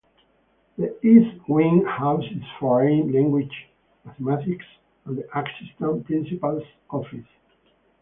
The east wing housed foreign language, mathematics, and the assistant principal's office.